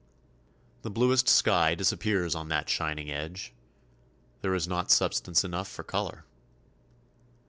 The bluest sky disappears on that shining edge; there is not substance enough for colour.